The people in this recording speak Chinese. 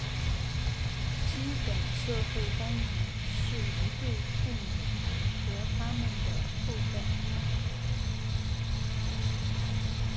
基本社会单元是一对父母和它们的后代。